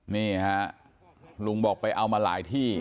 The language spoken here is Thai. นี่ฮะลุงบอกไปเอามาหลายที่